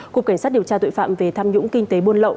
cục cảnh sát điều tra tội phạm về tham nhũng kinh tế buôn lậu